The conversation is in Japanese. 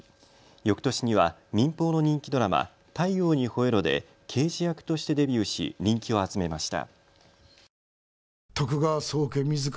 よくとしには民放の人気ドラマ、太陽にほえろ！で刑事役としてデビューし人気を集めました。